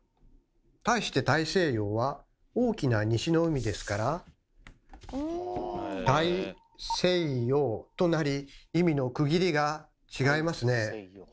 対して「大西洋」は「大きな西の海」ですから「大・西洋」となり意味の区切りが違いますね。